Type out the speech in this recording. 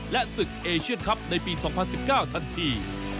และศึกเอเชียนคลับในปี๒๐๑๙ทันที